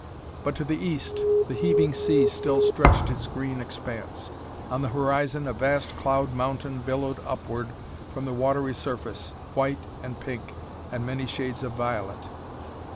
But, to the east, the heaving sea still stretched its green expanse. On the horizon a vast cloud mountain billowed upward from the watery surface, white, and pink and many shades of violet.